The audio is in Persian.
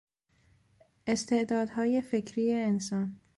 استعدادهای فکری انسان